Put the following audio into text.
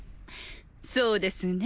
そうですね